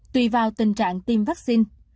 tùy vào tình trạng tiêm vaccine